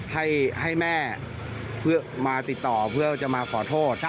ให้แม่เพื่อมาติดต่อเพื่อจะมาขอโทษ